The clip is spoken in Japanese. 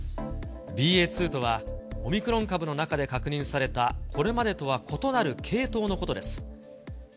ＢＡ．２とは、オミクロン株の中で確認されたこれまでとは異なる系統のことです。